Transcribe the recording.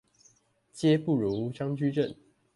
皆不如張居正